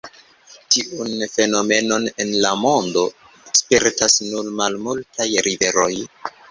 Tiun fenomenon en la mondo spertas nur malmultaj riveroj.